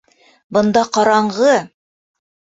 Бында ҡараңғы!